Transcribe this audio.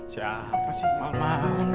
siapa sih mama